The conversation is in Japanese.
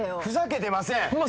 ふざけてません！